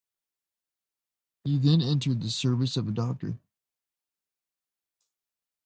He then entered the service of a doctor.